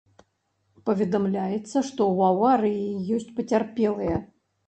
Паведамляецца, што ў аварыі ёсць пацярпелыя.